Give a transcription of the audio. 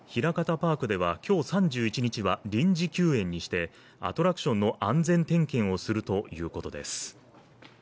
パークでは今日３１日は臨時休園にしてアトラクションの安全点検をするということです。